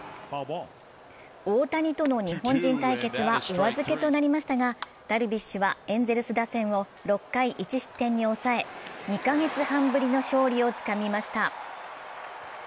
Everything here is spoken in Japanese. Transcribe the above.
大谷との日本人対決はお預けとなりましたがダルビッシュはエンゼルス打線を６回１失点に抑え２カ月半ぶりの勝利をつかみました。